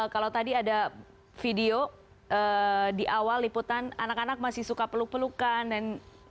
kalau tadi ada video di awal liputan anak anak masih suka peluk pelukan dan